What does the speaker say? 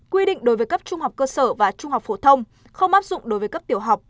quy định đối với cấp trung học cơ sở và trung học phổ thông không áp dụng đối với cấp tiểu học